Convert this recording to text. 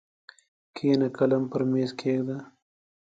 کښېنه قلم پر مېز کښېږده!